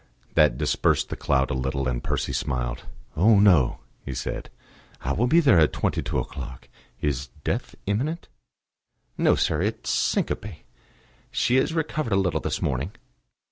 That dispersed the cloud a little, and Percy smiled. "Oh! no," he said. "I will be there at twenty two o'clock. ... Is death imminent?" "No, sir; it is syncope. She is recovered a little this morning."